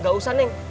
gak usah neng